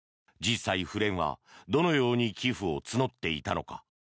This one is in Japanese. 実際、府連はどのように寄付を募っていたのか。